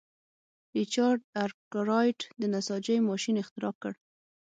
ریچارډ ارکرایټ د نساجۍ ماشین اختراع کړ.